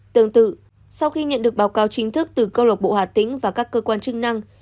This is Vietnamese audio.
tương tự sau khi nhận được báo cáo chính thức từ câu lộc bộ hà tĩnh và các cơ quan chức năng